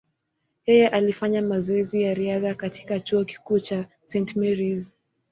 Yeye alifanya mazoezi ya riadha katika chuo kikuu cha St. Mary’s.